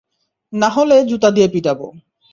নাহলে জুতা দিয়ে পিটাবো।